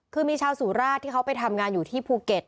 คือมีชาวสุราชที่เขาไปทำงานอยู่ที่ภูเก็ต